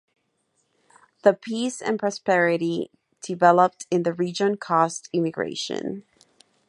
The peace and prosperity developed in the region caused immigration.